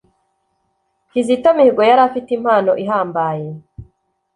kizito mihigo yari afite impano ihambaye